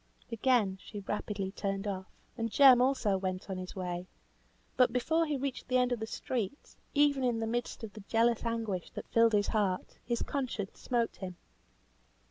Again she rapidly turned off, and Jem also went on his way. But before he reached the end of the street, even in the midst of the jealous anguish that filled his heart, his conscience smote him.